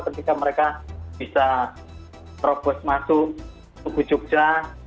ketika mereka bisa terobos masuk ke jogja